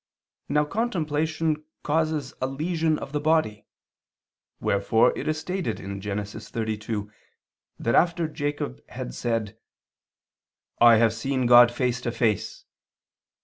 Now contemplation causes a lesion of the body; wherefore it is stated (Gen. 32) that after Jacob had said (Gen. 32:30), "'I have seen God face to face'